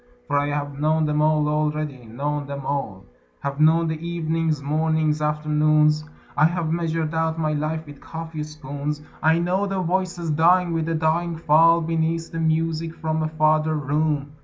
For I have known them all already, known them all: Have known the evenings, mornings, afternoons, I have measured out my life with coffee spoons; I know the voices dying with a dying fall Beneath the music from a farther room.